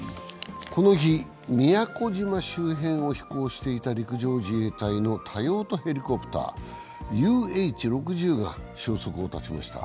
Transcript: この日、宮古島周辺を飛行していた陸上自衛隊の多用途ヘリコプターＵＨ６０が消息を絶ちました。